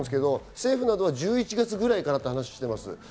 政府は１１月ぐらいからと話しています。